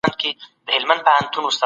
که انلاین تمرین روان وي، مهارت نه هېرېږي.